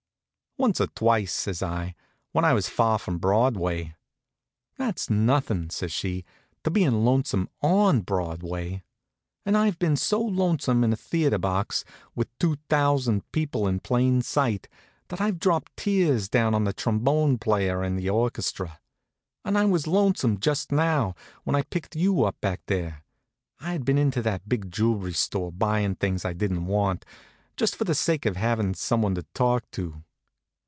"Once or twice," says I, "when I was far from Broadway." "That's nothing," says she, "to being lonesome on Broadway. And I've been so lonesome in a theatre box, with two thousand people in plain sight, that I've dropped tears down on the trombone player in the orchestra. And I was lonesome just now, when I picked you up back there. I had been into that big jewelry store, buying things I didn't want, just for the sake of having some one to talk to."